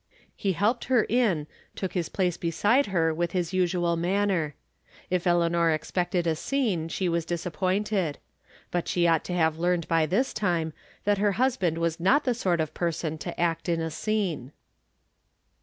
He helped her in, took his place beside her with his usual manner. If Eleanor expected a scene, she was disappointed ; but she ought to have learned by this time that her husband was not the sort of person to act in a scene.